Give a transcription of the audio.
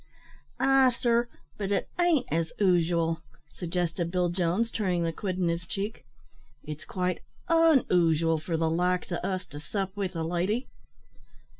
"Ay, sir, but it ain't `as oosual,'" suggested Bill Jones, turning the quid in his cheek; "it's quite on oosual for the likes o' us to sup with a lady."